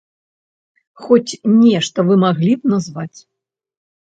Хоць нешта вы маглі б назваць?